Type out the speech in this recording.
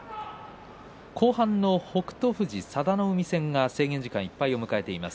後半の北勝富士、佐田の海戦が制限時間いっぱいを迎えています。